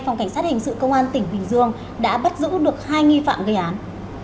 phòng cảnh sát hình sự công an tỉnh bình dương đã bắt giữ được hai nghi phạm gây án